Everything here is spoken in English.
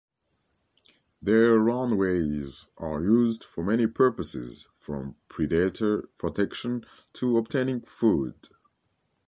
Their runways are used for many purposes, from predator protection to obtaining food.